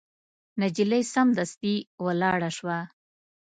نجلۍ سمدستي ولاړه شوه.